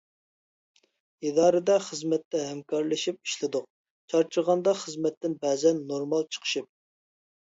ئىدارىدە خىزمەتتە ھەمكارلىشىپ ئىشلىدۇق، چارچىغاندا خىزمەتتىن بەزەن نورمال چېقىشىپ.